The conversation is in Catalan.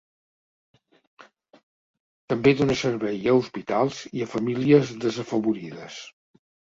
També dóna servei a hospitals i a famílies desafavorides.